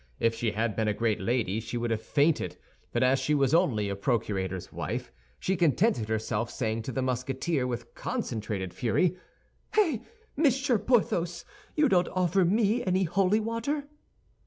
If she had been a great lady she would have fainted; but as she was only a procurator's wife, she contented herself saying to the Musketeer with concentrated fury, "Eh, Monsieur Porthos, you don't offer me any holy water?"